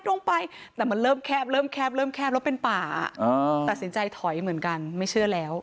แต่มันเริ่มแคบแล้วเป็นป่าตัดสินใจถอยเหมือนกันไม่เชื่อแล้ว